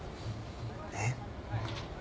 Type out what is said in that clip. えっ？